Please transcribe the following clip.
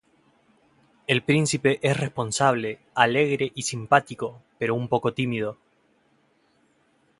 El Príncipe es responsable, alegre y simpático, pero un poco tímido.